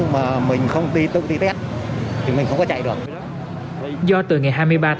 nên thời gian này